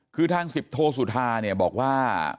คือทางสิบโทรสุดท้ายบอกว่า